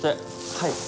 はい。